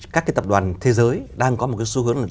các tập đoàn thế giới đang có một xu hướng